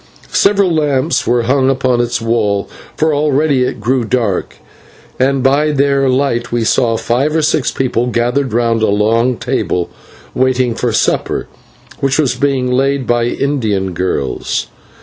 Several lamps were hung upon its walls, for already it grew dark, and by their light we saw five or six people gathered round a long table waiting for supper, which was being laid by Indian girls.